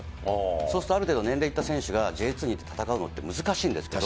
そうするとある程度年齢いった選手がＪ２に行って戦うのって難しいんですけど。